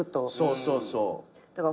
そうそうそう。